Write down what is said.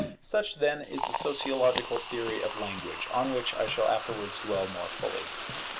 Such, then, is the sociological theory of Language, on which I shall afterwards dwell more fully.